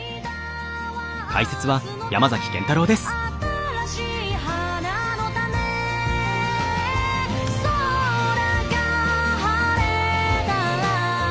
「新しい花の種」「空が晴れたら」